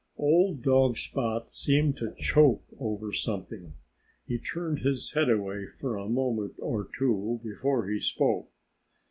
Old dog Spot seemed to choke over something. He turned his head away for a moment or two before he spoke.